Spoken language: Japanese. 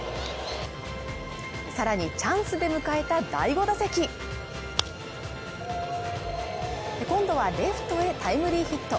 さらにチャンスで迎えた第５打席今度はレフトへタイムリーヒット